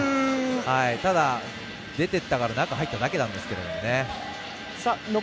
ただ、出ていったから中に入っただけなんですけど。